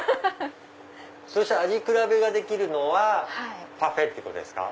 味比べができるのはパフェってことですか？